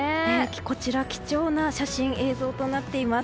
こちら、貴重な写真、映像となっています。